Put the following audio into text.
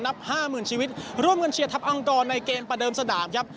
ห้าหมื่นชีวิตร่วมกันเชียร์ทัพอังกรในเกมประเดิมสนามครับ